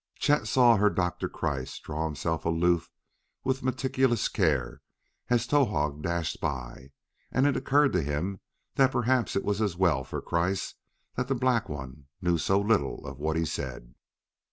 Chet saw Herr Doktor Kreiss draw himself aloof with meticulous care as Towahg dashed by, and it occurred to him that perhaps it was as well for Kreiss that the black one knew so little of what was said.